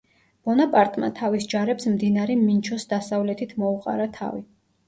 ბონაპარტმა თავის ჯარებს მდინარე მინჩოს დასავლეთით მოუყარა თავი.